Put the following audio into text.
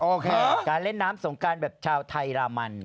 โอเคการเล่นน้ำสงการแบบชาวไทยรามัน